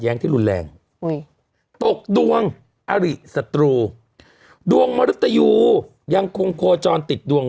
แย้งที่รุนแรงโว้ยตกดวงอะลีสตรูดวงมไรรถอยู่ยังคงโคจรติดดวง